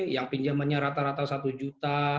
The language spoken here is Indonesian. yang pinjamannya rata rata satu juta